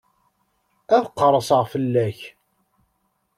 Ad qerseɣ fell-ak.